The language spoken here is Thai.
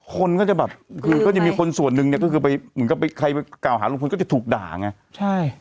คนก็จะแบบคือก็จะมีคนส่วนหนึ่งเนี่ยก็คือไปเหมือนกับไปใครไปกล่าวหาลุงพลก็จะถูกด่าไงใช่